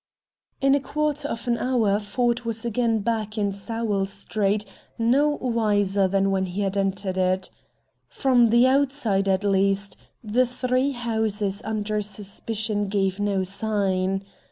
In a quarter of an hour Ford was again back in Sowell Street no wiser than when he had entered it. From the outside, at least, the three houses under suspicion gave no sign.